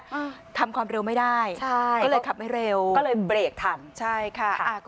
อืมทำความเร็วไม่ได้ใช่ก็เลยขับไม่เร็วก็เลยเบรกทันใช่ค่ะอ่า